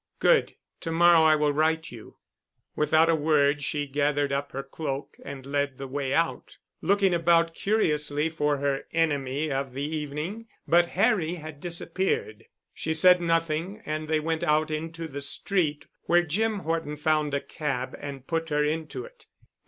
"Good. To morrow I will write you." Without a word she gathered up her cloak and led the way out, looking about curiously for her enemy of the evening. But Harry had disappeared. She said nothing and they went out into the street where Jim Horton found a cab and put her into it.